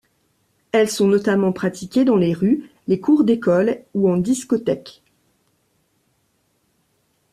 Elles sont notamment pratiquées dans les rues, les cours d'écoles ou en discothèque.